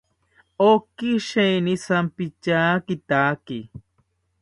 Oki sheeni shampityakitaki